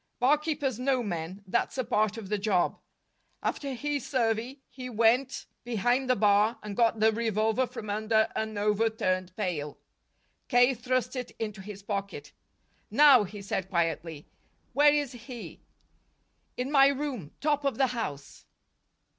Barkeepers know men: that's a part of the job. After his survey he went behind the bar and got the revolver from under an overturned pail. K. thrust it into his pocket. "Now," he said quietly, "where is he?" "In my room top of the house."